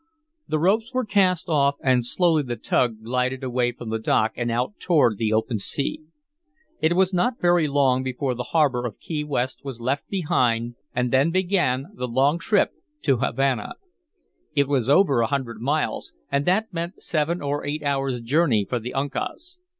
The ropes were cast off, and slowly the tug glided away from the dock and out toward the open sea. It was not very long before the harbor of Key West was left behind, and then began the long trip to Havana. It was over a hundred miles, and that meant seven or eight hours' journey for the Uncas.